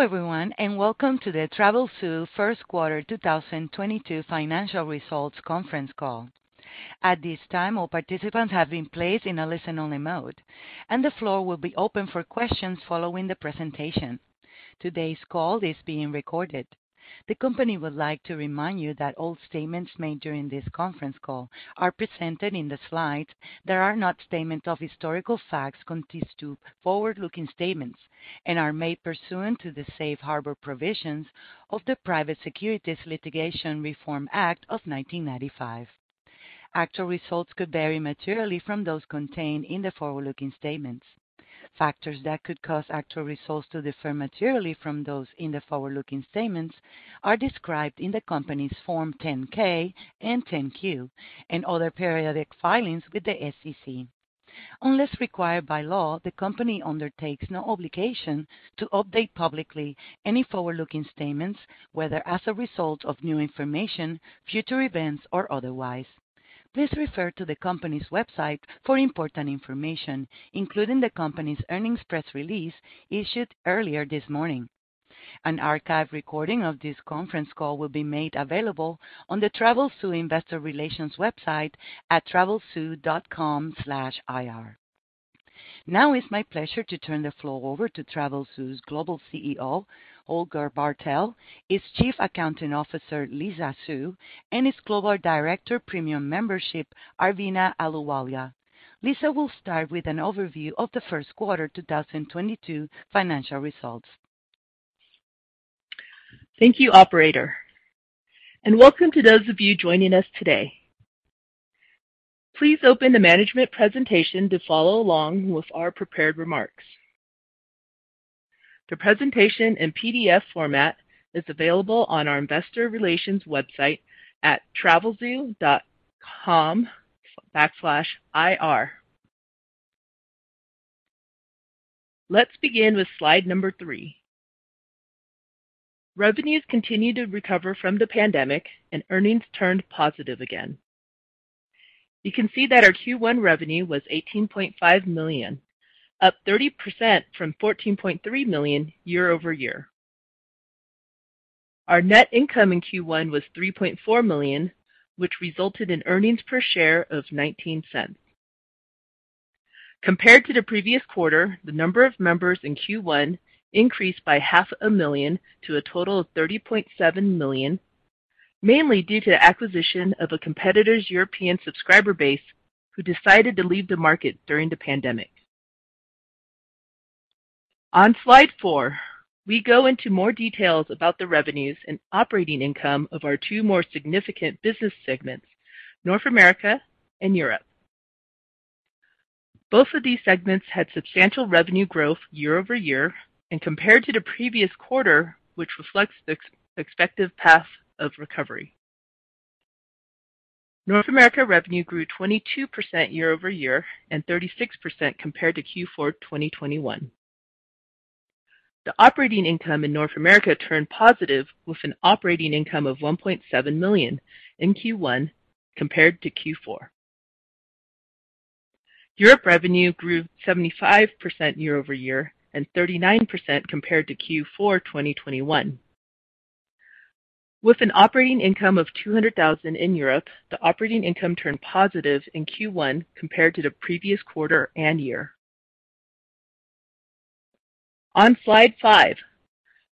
Hello everyone, and welcome to the Travelzoo first quarter 2022 financial results conference call. At this time, all participants have been placed in a listen-only mode, and the floor will be open for questions following the presentation. Today's call is being recorded. The company would like to remind you that all statements made during this conference call that are not statements of historical facts constitute forward-looking statements and are made pursuant to the safe harbor provisions of the Private Securities Litigation Reform Act of 1995. Actual results could vary materially from those contained in the forward-looking statements. Factors that could cause actual results to differ materially from those in the forward-looking statements are described in the company's Form 10-K and 10-Q and other periodic filings with the SEC. Unless required by law, the company undertakes no obligation to update publicly any forward-looking statements, whether as a result of new information, future events, or otherwise. Please refer to the company's website for important information, including the company's earnings press release issued earlier this morning. An archive recording of this conference call will be made available on the Travelzoo investor relations website at travelzoo.com/ir. Now it's my pleasure to turn the floor over to Travelzoo's Global CEO, Holger Bartel, his Chief Accounting Officer, Lisa Su, and his Global Director, Premium Membership, Arveena Ahluwalia. Lisa will start with an overview of the first quarter 2022 financial results. Thank you, operator, and welcome to those of you joining us today. Please open the management presentation to follow along with our prepared remarks. The presentation in PDF format is available on our investor relations website at travelzoo.com/ir. Let's begin with slide number three. Revenues continued to recover from the pandemic and earnings turned positive again. You can see that our Q1 revenue was $18.5 million, up 30% from $14.3 million year-over-year. Our net income in Q1 was $3.4 million, which resulted in earnings per share of $0.19. Compared to the previous quarter, the number of members in Q1 increased by 0.5 million to a total of 30.7 million, mainly due to acquisition of a competitor's European subscriber base who decided to leave the market during the pandemic. On slide four, we go into more details about the revenues and operating income of our two more significant business segments, North America and Europe. Both of these segments had substantial revenue growth year-over-year and compared to the previous quarter, which reflects the expected path of recovery. North America revenue grew 22% year-over-year and 36% compared to Q4 2021. The operating income in North America turned positive with an operating income of $1.7 million in Q1 compared to Q4. Europe revenue grew 75% year-over-year and 39% compared to Q4 2021. With an operating income of $200,000 in Europe, the operating income turned positive in Q1 compared to the previous quarter and year. On slide five,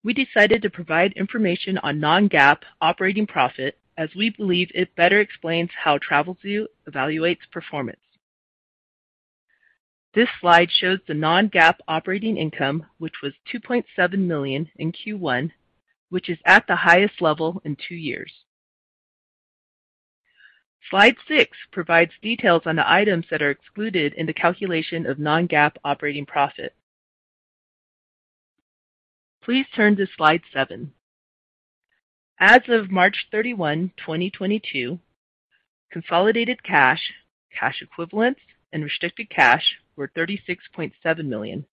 we decided to provide information on non-GAAP operating profit, as we believe it better explains how Travelzoo evaluates performance. This slide shows the non-GAAP operating income, which was $2.7 million in Q1, which is at the highest level in two years. Slide six provides details on the items that are excluded in the calculation of non-GAAP operating profit. Please turn to slide seven. As of March 31, 2022, consolidated cash equivalents, and restricted cash were $36.7 million.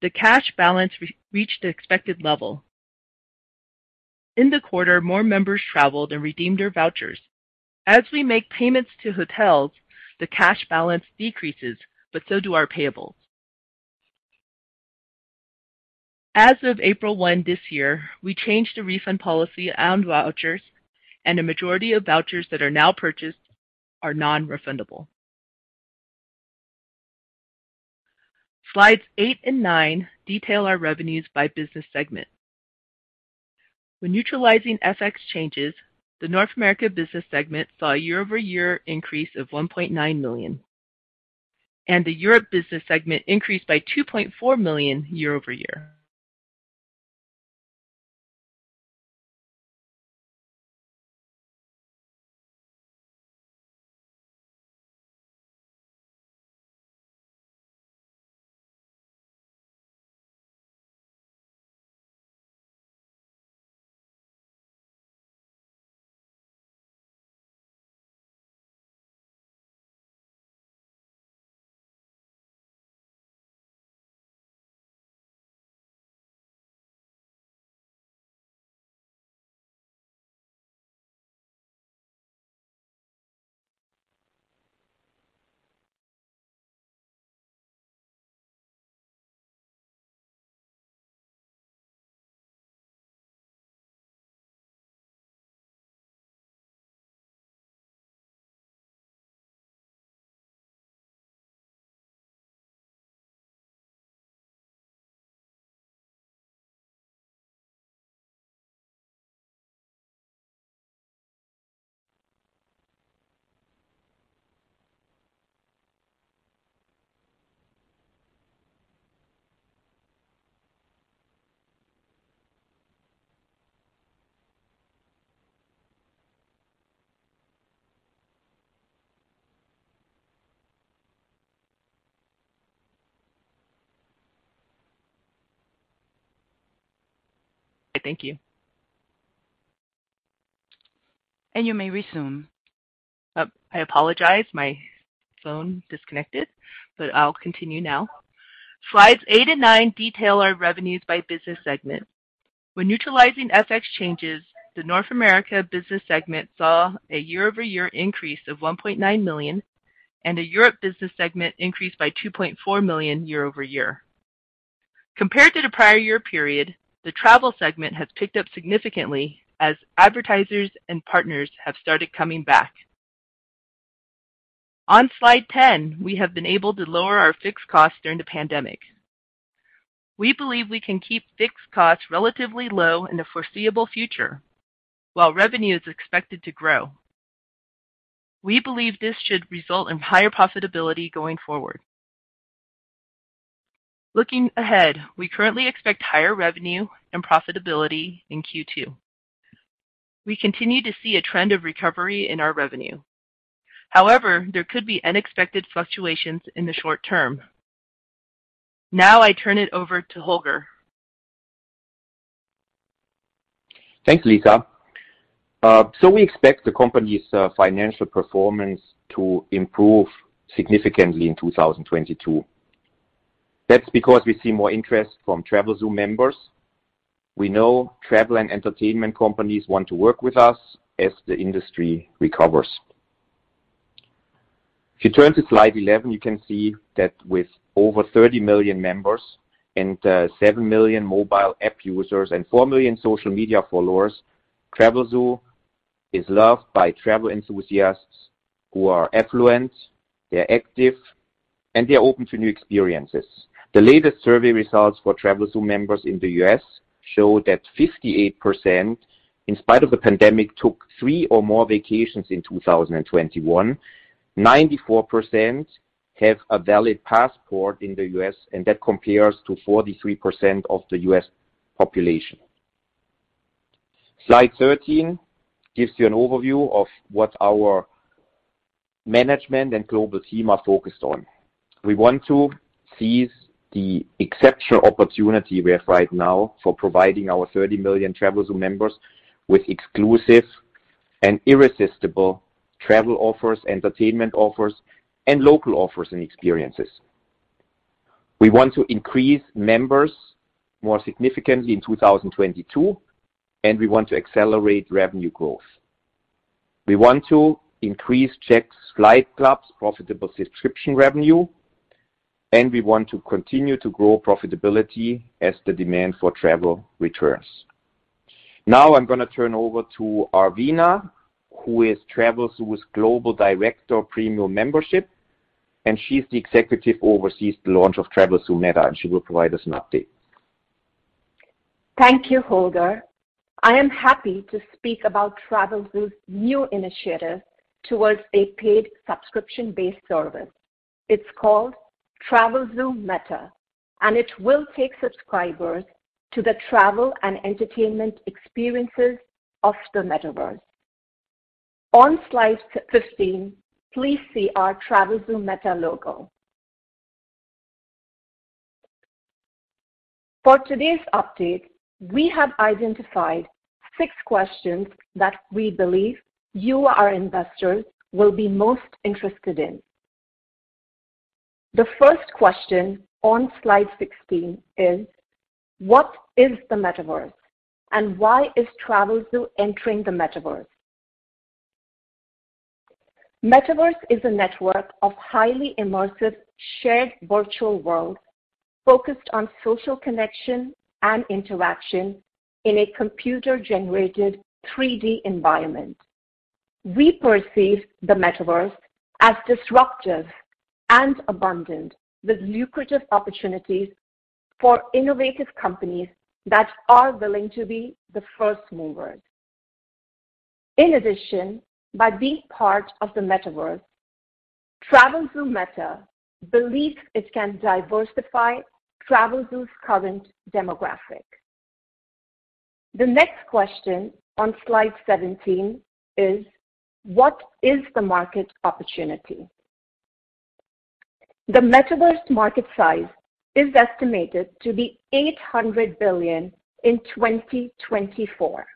The cash balance reached the expected level. In the quarter, more members traveled and redeemed their vouchers. As we make payments to hotels, the cash balance decreases, but so do our payables. As of April 1 this year, we changed the refund policy on vouchers, and a majority of vouchers that are now purchased are non-refundable. Slides eight and nine detail our revenues by business segment. When neutralizing FX changes, the North America business segment saw a year-over-year increase of $1.9 million, and the Europe business segment increased by $2.4 million year-over-year. I apologize, my phone disconnected, but I'll continue now. Compared to the prior year period, the travel segment has picked up significantly as advertisers and partners have started coming back. On slide 10, we have been able to lower our fixed costs during the pandemic. We believe we can keep fixed costs relatively low in the foreseeable future while revenue is expected to grow. We believe this should result in higher profitability going forward. Looking ahead, we currently expect higher revenue and profitability in Q2. We continue to see a trend of recovery in our revenue. However, there could be unexpected fluctuations in the short term. Now I turn it over to Holger. Thanks, Lisa. We expect the company's financial performance to improve significantly in 2022. That's because we see more interest from Travelzoo members. We know travel and entertainment companies want to work with us as the industry recovers. If you turn to slide 11, you can see that with over 30 million members and 7 million mobile app users and 4 million social media followers, Travelzoo is loved by travel enthusiasts who are affluent, they're active, and they're open to new experiences. The latest survey results for Travelzoo members in the U.S. show that 58%, in spite of the pandemic, took three or more vacations in 2021. 94% have a valid passport in the U.S., and that compares to 43% of the U.S. population. Slide 13 gives you an overview of what our management and global team are focused on. We want to seize the exceptional opportunity we have right now for providing our 30 million Travelzoo members with exclusive and irresistible travel offers, entertainment offers, and local offers and experiences. We want to increase members more significantly in 2022, and we want to accelerate revenue growth. We want to increase Jack's Flight Club's profitable subscription revenue, and we want to continue to grow profitability as the demand for travel returns. Now I'm gonna turn over to Arveena, who is Travelzoo's Global Director of Premium Membership, and she's the executive oversees the launch of Travelzoo META, and she will provide us an update. Thank you, Holger. I am happy to speak about Travelzoo's new initiative towards a paid subscription-based service. It's called Travelzoo META, and it will take subscribers to the travel and entertainment experiences of the Metaverse. On slide 15, please see our Travelzoo META logo. For today's update, we have identified six questions that we believe you, our investors, will be most interested in. The first question on slide 16 is. What is the Metaverse and why is Travelzoo entering the Metaverse? Metaverse is a network of highly immersive shared virtual world focused on social connection and interaction in a computer-generated 3D environment. We perceive the Metaverse as disruptive and abundant, with lucrative opportunities for innovative companies that are willing to be the first movers. In addition, by being part of the Metaverse, Travelzoo META believes it can diversify Travelzoo's current demographic. The next question on slide 17 is: What is the market opportunity? The Metaverse market size is estimated to be $800 billion in 2024.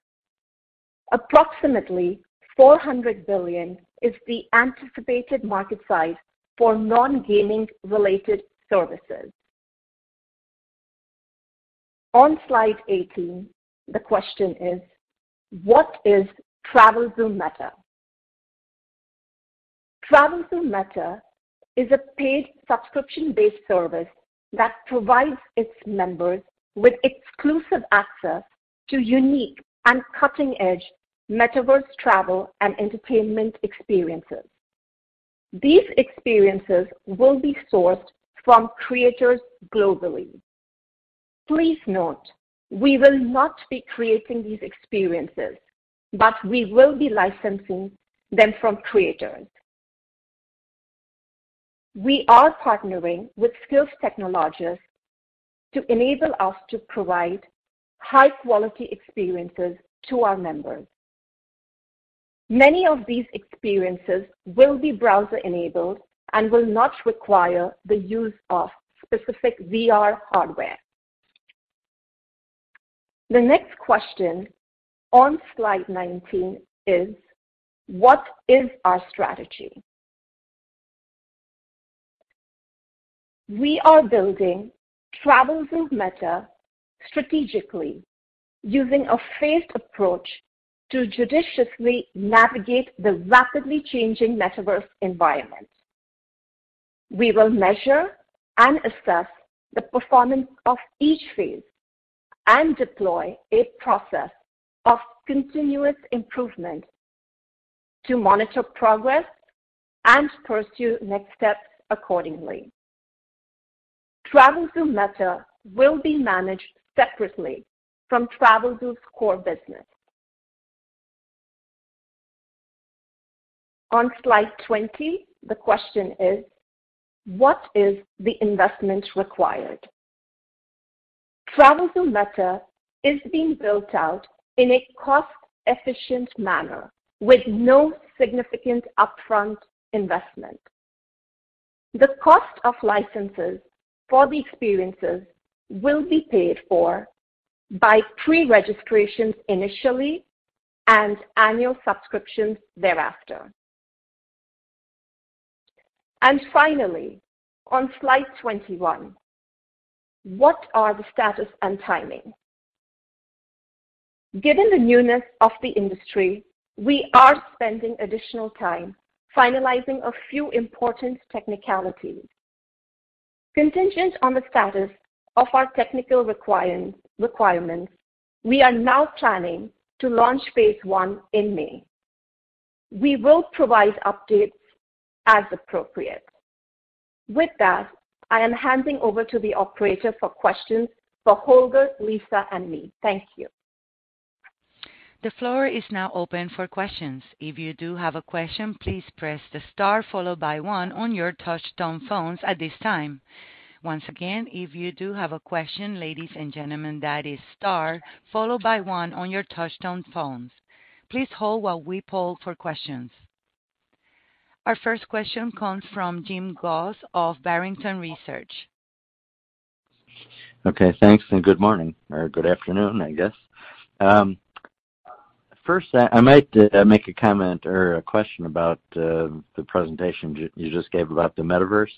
Approximately $400 billion is the anticipated market size for non-gaming related services. On slide 18, the question is: What is Travelzoo META? Travelzoo META is a paid subscription-based service that provides its members with exclusive access to unique and cutting-edge Metaverse travel and entertainment experiences. These experiences will be sourced from creators globally. Please note we will not be creating these experiences, but we will be licensing them from creators. We are partnering with skilled technologists to enable us to provide high-quality experiences to our members. Many of these experiences will be browser-enabled and will not require the use of specific VR hardware. The next question on slide 19 is: What is our strategy? We are building Travelzoo META strategically using a phased approach to judiciously navigate the rapidly changing metaverse environment. We will measure and assess the performance of each phase and deploy a process of continuous improvement to monitor progress and pursue next steps accordingly. Travelzoo META will be managed separately from Travelzoo's core business. On slide 20, the question is, What is the investment required? Travelzoo META is being built out in a cost-efficient manner with no significant upfront investment. The cost of licenses for the experiences will be paid for by pre-registrations initially and annual subscriptions thereafter. Finally, on slide 21: What are the status and timing? Given the newness of the industry, we are spending additional time finalizing a few important technicalities. Contingent on the status of our technical requirements, we are now planning to launch phase I in May. We will provide updates as appropriate. With that, I am handing over to the operator for questions for Holger, Lisa, and me. Thank you. The floor is now open for questions. If you do have a question, please press the star followed by one on your touch tone phones at this time. Once again, if you do have a question, ladies and gentlemen, that is star followed by one on your touch tone phones. Please hold while we poll for questions. Our first question comes from Jim Goss of Barrington Research. Okay. Thanks and good morning or good afternoon, I guess. First, I might make a comment or a question about the presentation you just gave about the metaverse.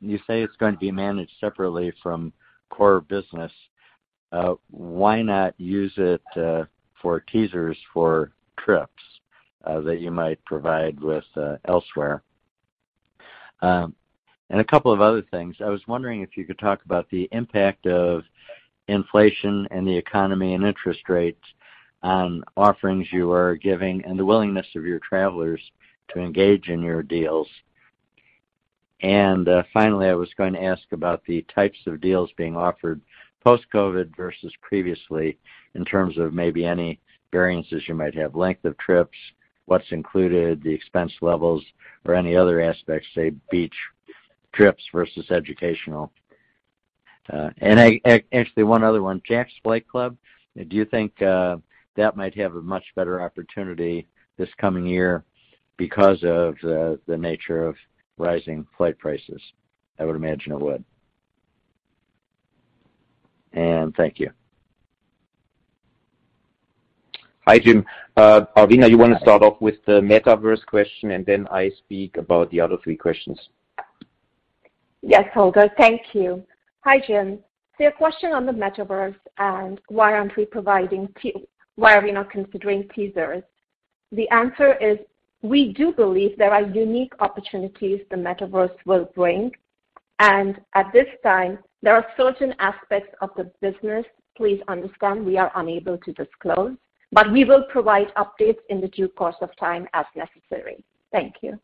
You say it's going to be managed separately from core business. Why not use it for teasers for trips that you might provide with elsewhere? A couple of other things. I was wondering if you could talk about the impact of inflation and the economy and interest rates on offerings you are giving and the willingness of your travelers to engage in your deals. Finally, I was going to ask about the types of deals being offered post-COVID versus previously in terms of maybe any variances you might have, length of trips, what's included, the expense levels or any other aspects, say, beach trips versus educational. Actually one other one. Jack's Flight Club, do you think that might have a much better opportunity this coming year because of the nature of rising flight prices? I would imagine it would. Thank you. Hi, Jim. Arveena, you wanna start off with the Metaverse question, and then I speak about the other three questions. Yes, Holger. Thank you. Hi, Jim. To your question on the Metaverse and why are we not considering teasers? The answer is we do believe there are unique opportunities the metaverse will bring, and at this time, there are certain aspects of the business, please understand, we are unable to disclose, but we will provide updates in the due course of time as necessary. Thank you.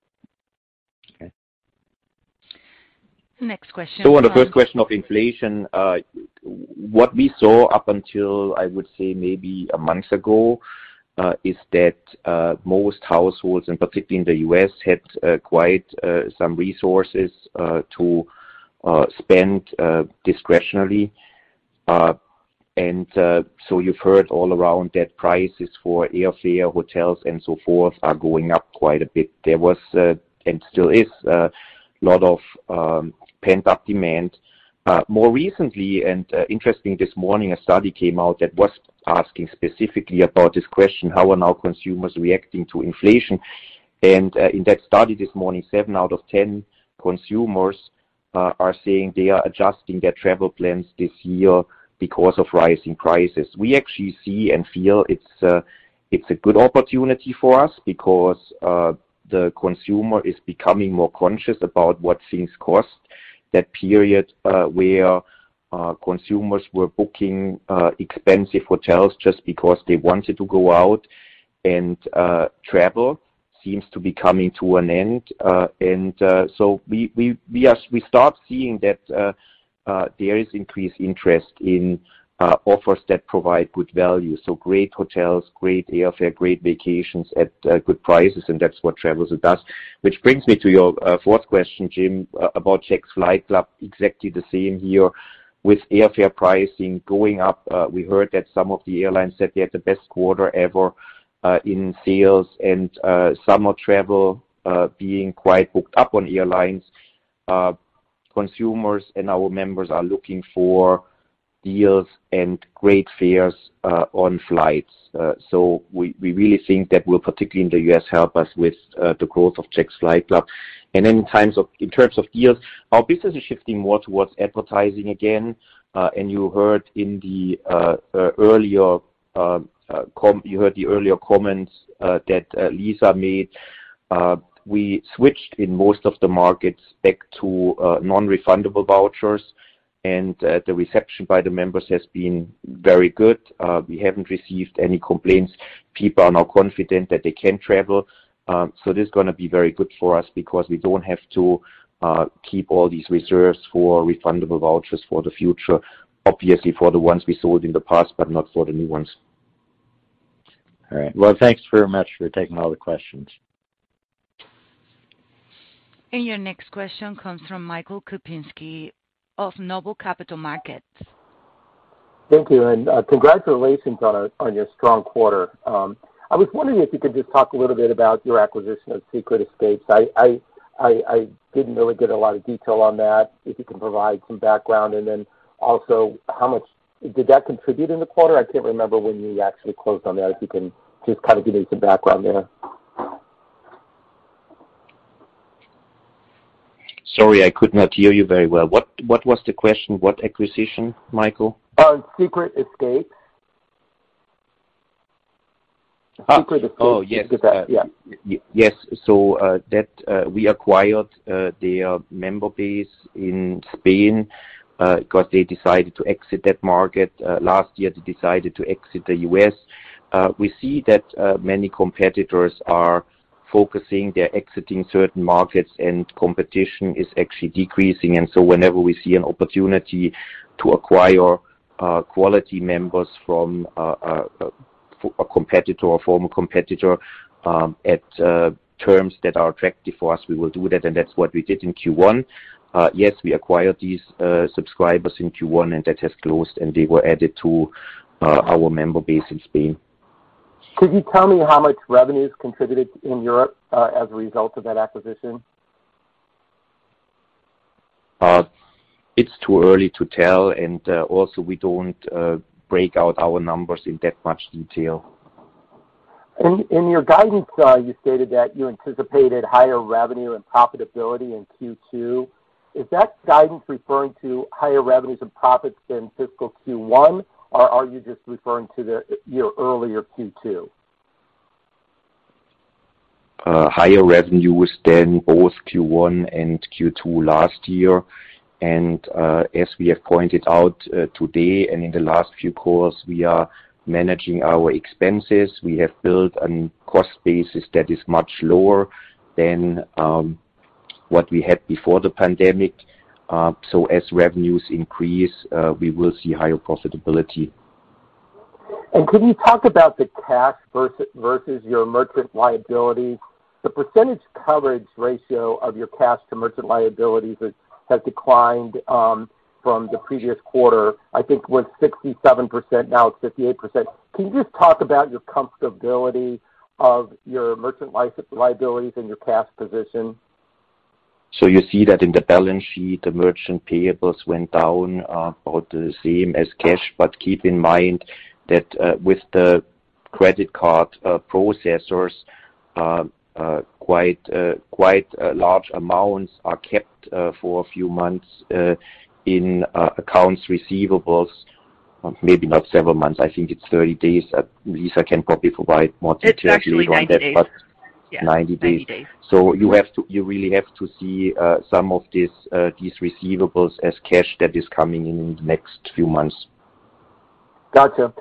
Okay. Next question. On the first question of inflation, what we saw up until, I would say maybe a month ago, is that most households, and particularly in the U.S., had quite some resources to spend discretionarily. You've heard all around that prices for airfare, hotels, and so forth are going up quite a bit. There was and still is a lot of pent-up demand. More recently, interestingly this morning, a study came out that was asking specifically about this question, how consumers are now reacting to inflation. In that study this morning, seven out of 10 consumers are saying they are adjusting their travel plans this year because of rising prices. We actually see and feel it's a good opportunity for us because the consumer is becoming more conscious about what things cost. That period where consumers were booking expensive hotels just because they wanted to go out and travel seems to be coming to an end. We start seeing that there is increased interest in offers that provide good value, so great hotels, great airfare, great vacations at good prices, and that's what Travelzoo does. Which brings me to your fourth question, Jim, about Jack's Flight Club, exactly the same here. With airfare pricing going up, we heard that some of the airlines said they had the best quarter ever in sales and summer travel being quite booked up on airlines. Consumers and our members are looking for deals and great fares on flights. We really think that will particularly in the U.S. help us with the growth of Jack's Flight Club. In terms of deals, our business is shifting more towards advertising again. You heard the earlier comments that Lisa made. We switched in most of the markets back to non-refundable vouchers, and the reception by the members has been very good. We haven't received any complaints. People are now confident that they can travel. This is gonna be very good for us because we don't have to keep all these reserves for refundable vouchers for the future, obviously for the ones we sold in the past, but not for the new ones. All right. Well, thanks very much for taking all the questions. Your next question comes from Michael Kupinski of Noble Capital Markets. Thank you and congratulations on your strong quarter. I was wondering if you could just talk a little bit about your acquisition of Secret Escapes. I didn't really get a lot of detail on that, if you can provide some background. Also, how much did that contribute in the quarter? I can't remember when you actually closed on that. If you can just kind of give me some background there. Sorry, I could not hear you very well. What was the question? What acquisition, Michael? Secret Escapes. Ah. Secret Escapes. Oh, yes. Yeah. Yes. That we acquired their member base in Spain because they decided to exit that market. Last year, they decided to exit the U.S. We see that many competitors are focusing, they're exiting certain markets, and competition is actually decreasing. Whenever we see an opportunity to acquire quality members from a competitor or former competitor at terms that are attractive for us, we will do that, and that's what we did in Q1. Yes, we acquired these subscribers in Q1, and that has closed, and they were added to our member base in Spain. Could you tell me how much revenues contributed in Europe, as a result of that acquisition? It's too early to tell, and also we don't break out our numbers in that much detail. In your guidance, you stated that you anticipated higher revenue and profitability in Q2. Is that guidance referring to higher revenues and profits than fiscal Q1, or are you just referring to your earlier Q2? Higher revenues than both Q1 and Q2 last year. As we have pointed out today and in the last few calls, we are managing our expenses. We have built a cost basis that is much lower than what we had before the pandemic. As revenues increase, we will see higher profitability. Could you talk about the cash versus your merchant liability? The percentage coverage ratio of your cash to merchant liabilities has declined from the previous quarter. I think it was 67%. Now it's 58%. Can you just talk about your comfortability of your merchant liabilities and your cash position? You see that in the balance sheet, the merchant payables went down about the same as cash. Keep in mind that with the credit card processors, quite large amounts are kept for a few months in accounts receivable. Maybe not several months. I think it's 30 days. Lisa can probably provide more details on that. It's actually 90 days. 90 days. Yeah, 90 days. You really have to see some of these receivables as cash that is coming in in the next few months. Gotcha.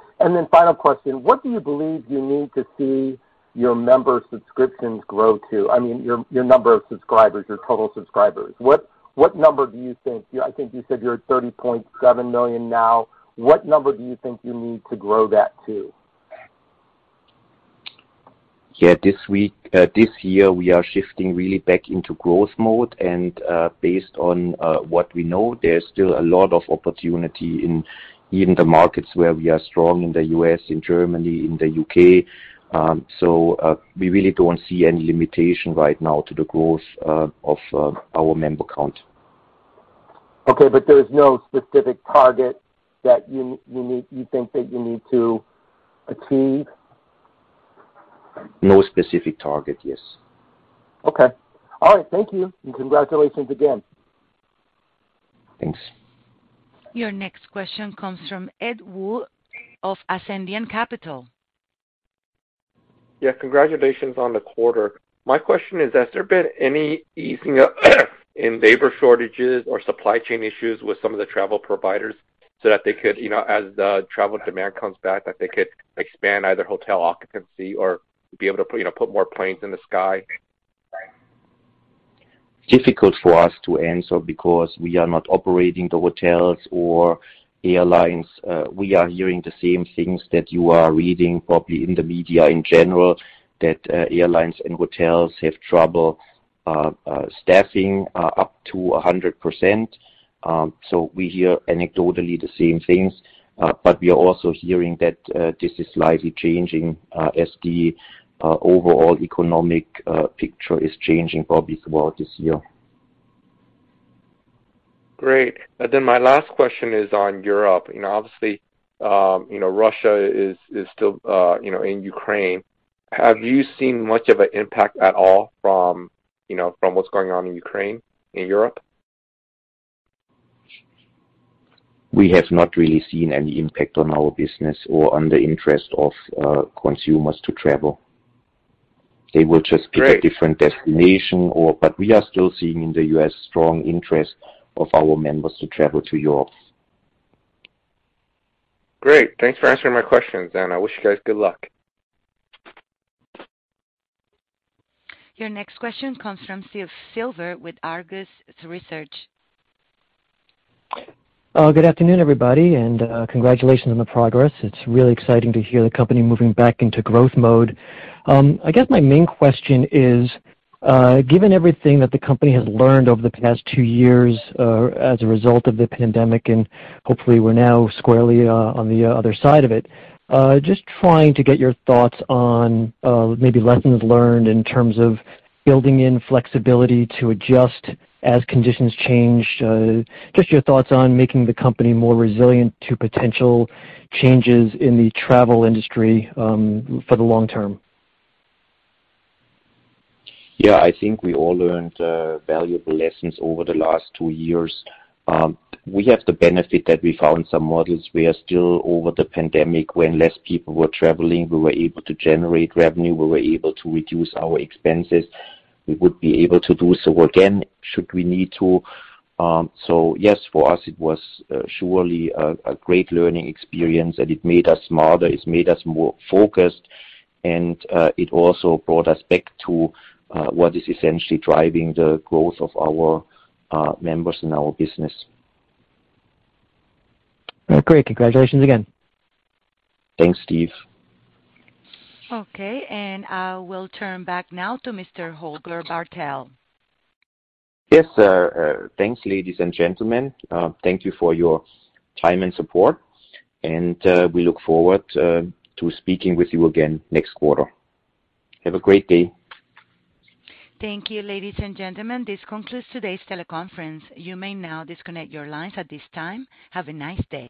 Final question. What do you believe you need to see your member subscriptions grow to? I mean, your number of subscribers, your total subscribers. What number do you think? I think you said you're at 30.7 million now. What number do you think you need to grow that to? This year, we are shifting really back into growth mode. Based on what we know, there's still a lot of opportunity in even the markets where we are strong in the U.S., in Germany, in the U.K. We really don't see any limitation right now to the growth of our member count. Okay, but there's no specific target that you need, you think that you need to achieve? No specific target, yes. Okay. All right. Thank you, and congratulations again. Thanks. Your next question comes from Ed Woo of Ascendiant Capital. Yeah. Congratulations on the quarter. My question is, has there been any easing up in labor shortages or supply chain issues with some of the travel providers so that they could, you know, as the travel demand comes back, that they could expand either hotel occupancy or be able to put, you know, put more planes in the sky? Difficult for us to answer because we are not operating the hotels or airlines. We are hearing the same things that you are reading probably in the media in general, that airlines and hotels have trouble staffing up to 100%. We hear anecdotally the same things, but we are also hearing that this is slightly changing as the overall economic picture is changing probably throughout this year. Great. My last question is on Europe. You know, obviously, you know, Russia is still, you know, in Ukraine. Have you seen much of an impact at all from, you know, from what's going on in Ukraine, in Europe? We have not really seen any impact on our business or on the interest of consumers to travel. They will just. Great. We are still seeing in the U.S. strong interest of our members to travel to Europe. Great. Thanks for answering my questions, and I wish you guys good luck. Your next question comes from Steve Silver with Argus Research. Good afternoon, everybody, and congratulations on the progress. It's really exciting to hear the company moving back into growth mode. I guess my main question is, given everything that the company has learned over the past two years, as a result of the pandemic, and hopefully we're now squarely on the other side of it, just trying to get your thoughts on maybe lessons learned in terms of building in flexibility to adjust as conditions change. Just your thoughts on making the company more resilient to potential changes in the travel industry, for the long term. Yeah. I think we all learned valuable lessons over the last two years. We have the benefit that we found some models. We are still over the pandemic when less people were traveling, we were able to generate revenue, we were able to reduce our expenses. We would be able to do so again should we need to. Yes, for us it was surely a great learning experience and it made us smarter, it's made us more focused, and it also brought us back to what is essentially driving the growth of our members and our business. Great. Congratulations again. Thanks, Steve. Okay. We'll turn back now to Mr. Holger Bartel. Yes, sir. Thanks, ladies and gentlemen. Thank you for your time and support, and we look forward to speaking with you again next quarter. Have a great day. Thank you, ladies and gentlemen. This concludes today's teleconference. You may now disconnect your lines at this time. Have a nice day.